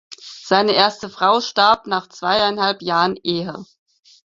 Seine erste Frau starb nach zweieinhalb Jahren Ehe.